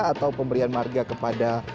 atau pemberian marga kepada